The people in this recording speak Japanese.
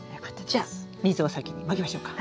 じゃあ水を先にまきましょうか。